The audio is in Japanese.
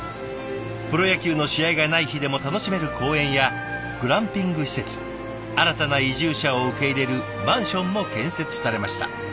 プロ野球の試合がない日でも楽しめる公園やグランピング施設新たな移住者を受け入れるマンションも建設されました。